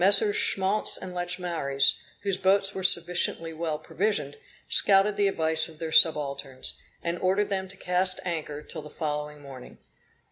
Schmaltz and Lachaumareys whose boats were sufficiently well provisioned, scouted the advice or their subalterns, and ordered them to cast anchor till the following morning.